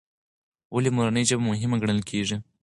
ولې مورنۍ ژبه مهمه ګڼل کېږي؟